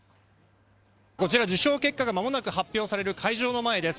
こちら、受賞結果がまもなく発表される会場の前です。